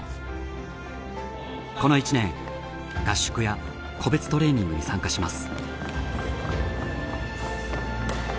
この１年合宿や個別トレーニングに参加します。